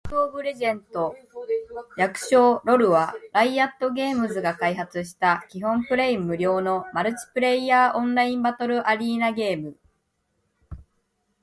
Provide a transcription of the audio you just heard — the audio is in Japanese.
リーグ・オブ・レジェンド』（League of Legends、略称: LoL（ ロル））は、ライアットゲームズが開発した基本プレイ無料のマルチプレイヤーオンラインバトルアリーナゲーム